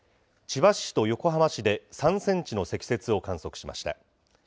千葉市と横浜市で３センチの積雪を観測しました。